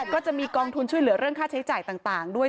ก็จะมีกองทุนช่วยเหลือเรื่องค่าใช้จ่ายต่างด้วย